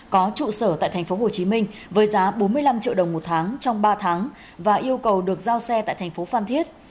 có trụ sở tại thành phố hồ chí minh với giá bốn mươi năm triệu đồng một tháng trong ba tháng và yêu cầu được giao xe tại thành phố phan thiết